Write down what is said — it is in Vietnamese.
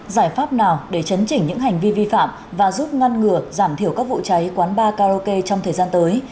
giải pháp nào để chấn chỉnh những hành vi vi phạm và giúp ngăn ngừa giảm thiểu các vụ cháy quán bar karaoke trong thời gian tới